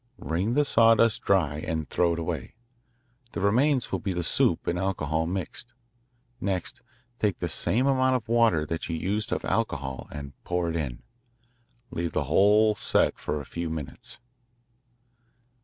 Wring the sawdust dry and throw it away. The remains will be the soup and alcohol mixed. Next take the same amount of water as you used of alcohol and pour it in. Leave the whole set for a few minutes.